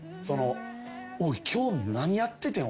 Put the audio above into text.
おい今日何やっててん？